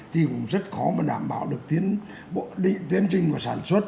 thì cũng rất khó mà đảm bảo được định tiến trình của sản xuất